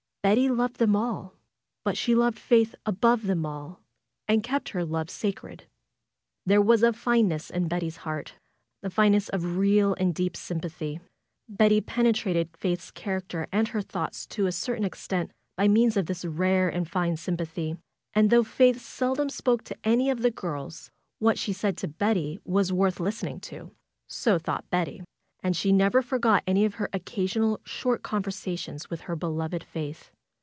Betty loved them all. But she loved Faith above them all, and kept her love sacred. There was a flneness in Betty's heart ; the fineness of real and deep sympathy. Betty penetratd Faith's char acter and her thoughts to a certain extent by means of this rare and fine sympathy. And though Faith sel dom spoke to any of the girls, what she said to Betty was worth listening to. So thought Betty. And she never forgot any of her occasional short conversations with her beloved Faith.